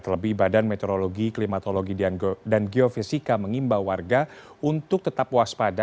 terlebih badan meteorologi klimatologi dan geofisika mengimba warga untuk tetap waspada